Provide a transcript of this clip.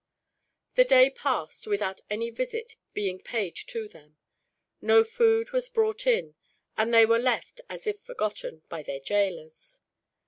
The day passed, without any visit being paid to them. No food was brought in, and they were left, as if forgotten, by their jailors.